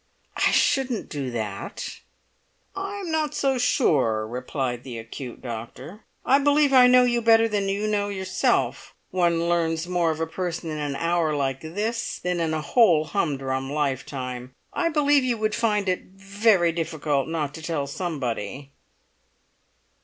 "I shouldn't do that." "I'm not so sure," replied the acute doctor. "I believe I know you better than you know yourself; one learns more of a person in an hour like this than in a whole humdrum lifetime. I believe you would find it very difficult not to tell somebody."